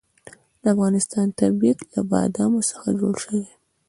د افغانستان طبیعت له بادامو څخه جوړ شوی دی.